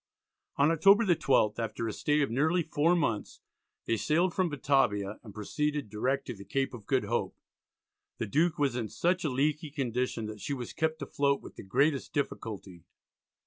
On October the 12th, after a stay of nearly four months, they sailed from Batavia and proceeded direct to the Cape of Good Hope. The Duke was in such a leaky condition that she was kept afloat with the greatest difficulty.